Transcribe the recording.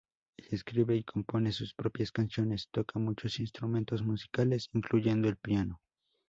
Ella escribe y compone sus propias canciones, toca muchos instrumentos musicales, incluyendo el piano.